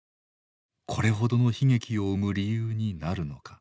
これほどの悲劇を生む理由になるのか。